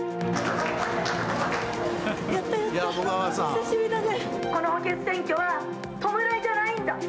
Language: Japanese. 久しぶりだね。